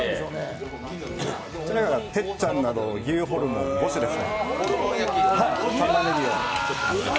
テッチャンなど牛ホルモン５種です。